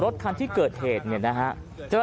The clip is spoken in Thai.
รถคันที่เกิดเหตุเนี่ยนะฮะ